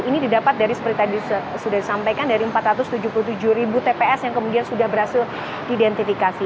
ini didapat dari seperti tadi sudah disampaikan dari empat ratus tujuh puluh tujuh ribu tps yang kemudian sudah berhasil diidentifikasi